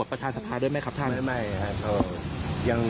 ไม่ได้มีความว่ะทหาร